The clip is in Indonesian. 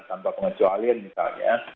tanpa pengecualian misalnya